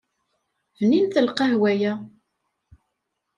Bninet lqahwa-ya.